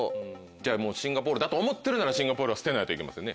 じゃあシンガポールだと思ってるならシンガポールは捨てないといけませんね。